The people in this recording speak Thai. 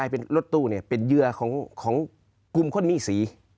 เป็นเหยือยังไงพี่